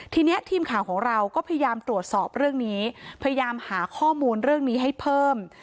ทีนี้ทีมข่าวของเราก็พยายามตรวจสอบเรื่องนี้พยายามหาข้อมูลเรื่องนี้ให้เพิ่ม